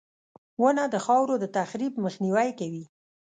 • ونه د خاورو د تخریب مخنیوی کوي.